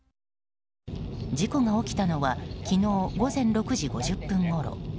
事故が起きたのは昨日午前６時５０分ごろ。